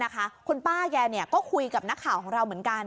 คุณป้าแกก็คุยกับนักข่าวของเราเหมือนกัน